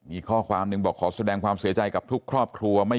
อีกข้อความหนึ่งบอกขอแสดงความเสียใจกับทุกครอบครัว